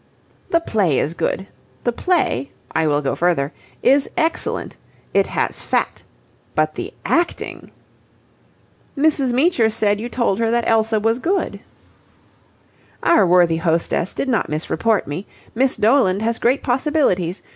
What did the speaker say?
"The play is good. The play I will go further is excellent. It has fat. But the acting..." "Mrs. Meecher said you told her that Elsa was good." "Our worthy hostess did not misreport me. Miss Doland has great possibilities.